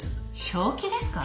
正気ですか？